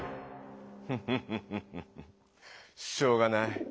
フフフしょうがない。